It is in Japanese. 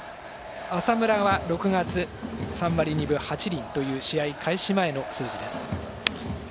浅村は６月、３割２分８厘という試合開始前の数字です。